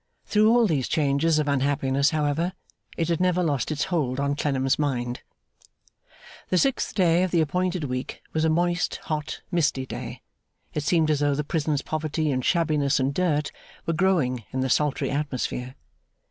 Through all these changes of unhappiness, however, it had never lost its hold on Clennam's mind. The sixth day of the appointed week was a moist, hot, misty day. It seemed as though the prison's poverty, and shabbiness, and dirt, were growing in the sultry atmosphere.